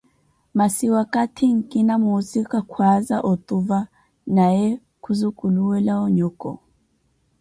Masi wakathi nkina muusika khwaaza otuva na we khuzukuluwela onyoko.